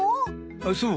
あっそう。